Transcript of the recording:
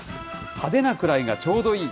派手なくらいがちょうどいい。